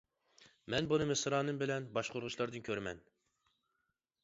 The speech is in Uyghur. مەن بۇنى مىسرانىم بىلەن باشقۇرغۇچىلاردىن كۆرىمەن!